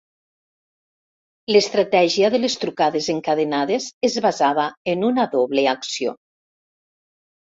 L'estratègia de les trucades encadenades es basava en una doble acció.